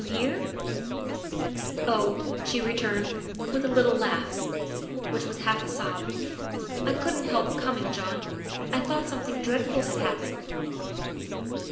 "You here?" " Oh," she returned, with a little laugh which was half a sob, " I couldn't help coming, John. I thought something dreadful had happened."